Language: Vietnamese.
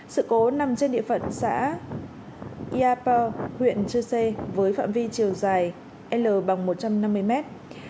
sự cố nằm trên địa phận xã iapo huyện chư sê với phạm vi chiều dài l bằng một trăm năm mươi mét